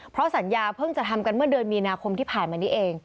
เพราะสัญญาเพิ่งจะทำกันเมื่อเดือนมีนาคมที่ผ่านมานี้เอง